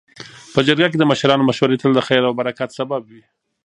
. په جرګه کي د مشرانو مشورې تل د خیر او برکت سبب وي.